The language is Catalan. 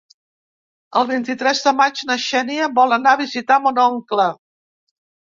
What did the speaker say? El vint-i-tres de maig na Xènia vol anar a visitar mon oncle.